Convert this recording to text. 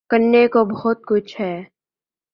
کرنے کو بہت کچھ ہے۔